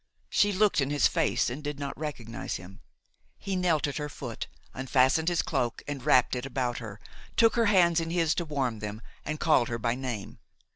She looked in his face and did not recognize him. He knelt at her foot, unfastened his cloak and wrapped it about her, took her hands in his to warm them and called her by name.